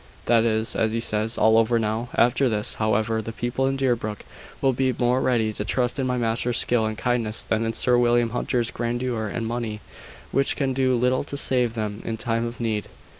That is, as he says, all over now. After this, however, the people in Deerbrook will be more ready to trust in my master's skill and kindness than in Sir William Hunter's grandeur and money, which can do little to save them in time of need."